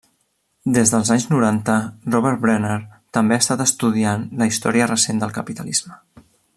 Des dels anys noranta, Robert Brenner també ha estat estudiant la història recent del capitalisme.